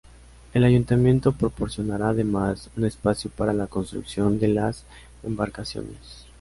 El Ayuntamiento proporcionará además un espacio para la construcción de las embarcaciones.